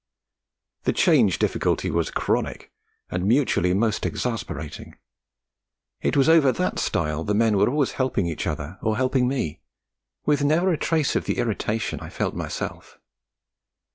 The change difficulty was chronic, and mutually most exasperating; it was over that stile the men were always helping each other or helping me, with never a trace of the irritation I felt myself.